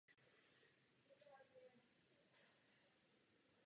Není zde však patrné rozdělení odpovědnosti mezi většinu a menšinu.